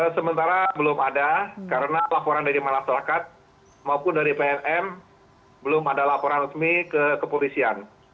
sementara belum ada karena laporan dari masyarakat maupun dari pln belum ada laporan resmi ke kepolisian